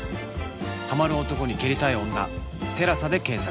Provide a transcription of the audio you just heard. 「ハマる男に蹴りたい女テラサ」で検索